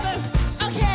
オーケー！